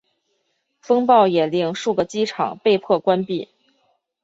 风暴也令数个机场被迫关闭。